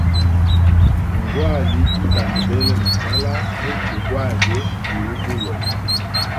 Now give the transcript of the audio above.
Ngwali yi tandabele na nzala, muchwe gwagwe ngi ubulo.